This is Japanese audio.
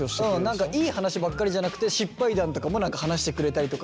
何かいい話ばっかりじゃなくて失敗談とかも話してくれたりとかすると。